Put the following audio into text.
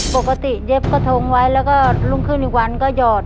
เย็บกระทงไว้แล้วก็รุ่งขึ้นอีกวันก็หยอด